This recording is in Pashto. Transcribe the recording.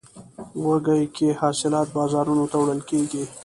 وږی کې حاصلات بازارونو ته وړل کیږي.